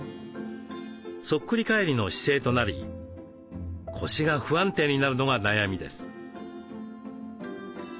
そっくり返りの姿勢となり腰が不安定になるのが悩みです。